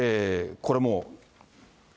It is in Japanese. これもう。